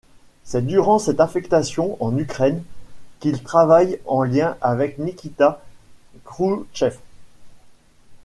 C'est durant cette affectation en Ukraine qu'il travaille en lien avec Nikita Khrouchtchev.